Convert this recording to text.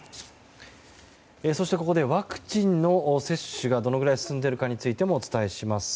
そしてここでワクチンの接種がどのぐらい進んでいるかについてもお伝えします。